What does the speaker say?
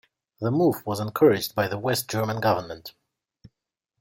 The move was encouraged by the West German government.